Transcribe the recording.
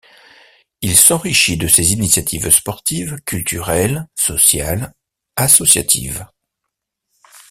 Il s'enrichit de ses initiatives sportives, culturelles, sociales, associatives.